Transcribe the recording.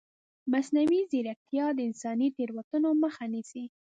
مصنوعي ځیرکتیا د انساني تېروتنو مخه نیسي.